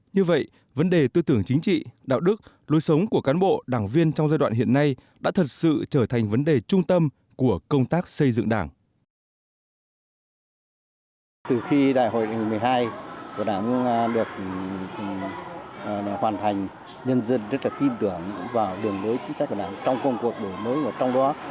như vậy vấn đề tư tưởng chính trị đạo đức lôi sống của cán bộ đảng viên trong giai đoạn hiện nay đã thật sự trở thành vấn đề trung tâm của công tác xây dựng đảng